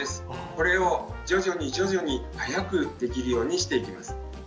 これを徐々に徐々に早くできるようにしていきます。